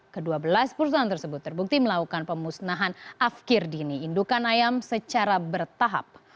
kedua belas perusahaan tersebut terbukti melakukan pemusnahan afkir dini indukan ayam secara bertahap